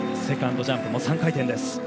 セカンドジャンプも３回転です。